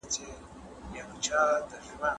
موږ خپله پښه په پایڅه کي بنده ده